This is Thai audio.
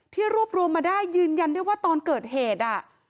ที่รวบรวมมาได้ยืนยันได้ว่าตอนเกิดเหตุ